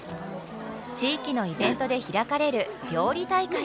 地域のイベントで開かれる料理大会。